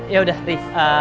ya udah ri